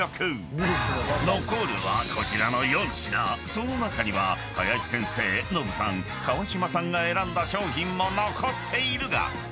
［その中には林先生ノブさん川島さんが選んだ商品も残っているが］